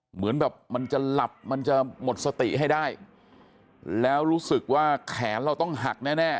เหมือนแบบมันจะหลับมันจะหมดสติให้ได้แล้วรู้สึกว่าแขนเราต้องหักแน่แน่